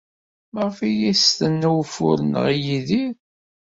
Maɣef ay as-tenna ufur-nneɣ i Yidir?